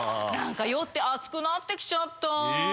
何か酔って暑くなって来ちゃった。